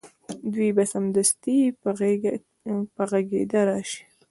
دوی به سمدستي په غږېدا راشي